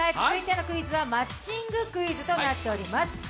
続いてのクイズはマッチングクイズとなっています。